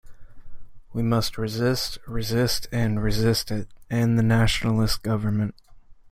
We must resist, resist, and resist it - and the Nationalist Government.